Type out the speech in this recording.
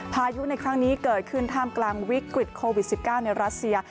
พายุในครั้งนี้เกิดขึ้นท่ามกลางวิกฤตโควิด๑๙ในรัสเซีย